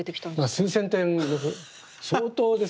数千点です。